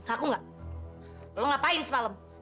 aku gak lo ngapain sepalem